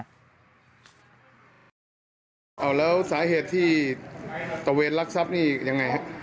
อ้าวแล้วสาเหตุที่ตระเวทลักษัพนี่ยังไงฮะ